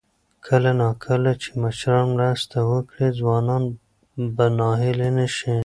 کله نا کله چې مشران مرسته وکړي، ځوانان به ناهیلي نه شي.